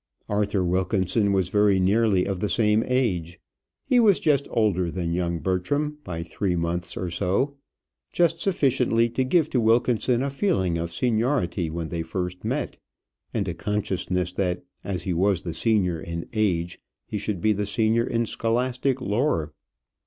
Arthur Wilkinson was very nearly of the same age. He was just older than young Bertram by three months or so; just sufficiently to give to Wilkinson a feeling of seniority when they first met, and a consciousness that as he was the senior in age, he should be the senior in scholastic lore.